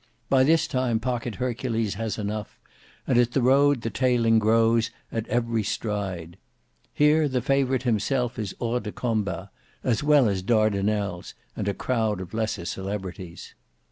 By this time Pocket Hercules has enough, and at the road the tailing grows at every stride. Here the favourite himself is hors de combat, as well as Dardanelles, and a crowd of lesser celebrities.